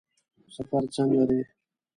سفر څنګه دی؟